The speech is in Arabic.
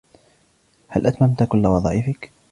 هل أتممت كل وظائفك؟